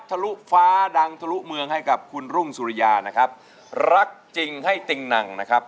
ทะลุฟ้าดังทะลุเมืองให้กับคุณรุ่งสุริยานะครับรักจริงให้ติงหนังนะครับ